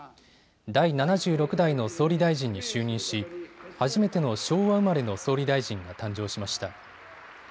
第７６代の総理大臣に就任し初めての昭和生まれの総理大臣が誕生しました。